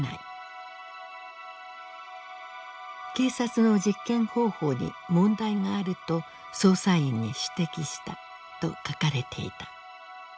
「警察の実験方法に問題があると捜査員に指摘した」と書かれていた。